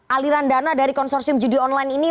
aliran dana dari konsorsium judi online ini